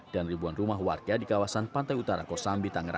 dan ribuan rumah warga di kawasan pantai utara